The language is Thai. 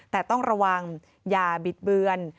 แต่ต้องระวังอย่าบิดเบือน